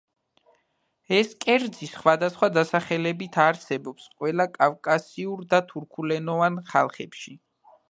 ეს კერძი სხვადასხვა დასახელებით არსებობს ყველა კავკასიურ და თურქულენოვან ხალხებში.